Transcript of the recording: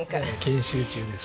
研修中です。